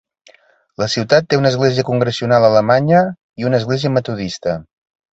La ciutat té una església congregacional alemanya i una església metodista.